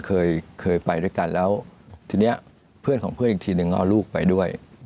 เคยเคยไปด้วยกันแล้วทีนี้เพื่อนของเพื่อนอีกทีนึงเอาลูกไปด้วย